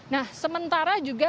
nah sementara juga